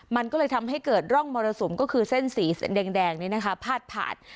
มันก็เลยทำให้เกิดร่องมรสุมก็คือเส้นสีแดงนี้นะคะพาดผ่าน